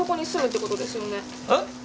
えっ？